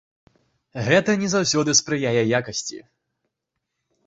Гэта не заўсёды спрыяе якасці.